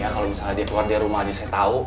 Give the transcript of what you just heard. kalau misalnya dia keluar dari rumah aja saya tahu